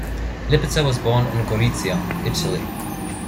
Lipizer was born in Gorizia, Italy.